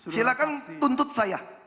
silahkan tuntut saya